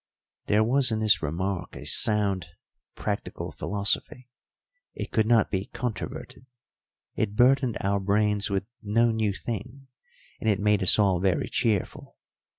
There was in this remark a sound practical philosophy; it could not be controverted, it burdened our brains with no new thing, and it made us all very cheerful.